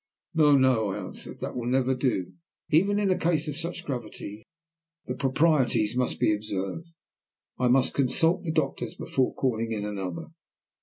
"No, no," I answered, "that will never do. Even in a case of such gravity the proprieties must be observed. I must consult the doctors before calling in another."